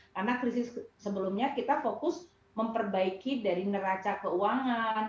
karena krisis sebelumnya kita fokus memperbaiki dari neraca keuangan